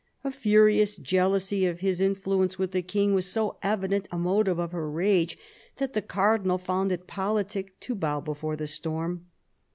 A furious jealousy of his influence with the King was so evident a motive of her rage, that the Cardinal found it politic to bow before the storm.